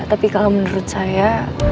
tapi kalau menurut saya